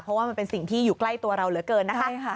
เพราะว่ามันเป็นสิ่งที่อยู่ใกล้ตัวเราเหลือเกินนะคะ